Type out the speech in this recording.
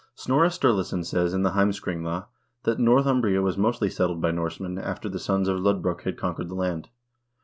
1 Snorre Sturlason says in the " Heims kringla" that Northumbria was mostly settled by Norsemen after the sons of Lodbrok had conquered the land.